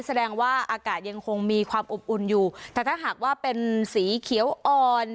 แสดงว่าอากาศยังคงมีความอบอุ่นอยู่แต่ถ้าหากว่าเป็นสีเขียวอ่อน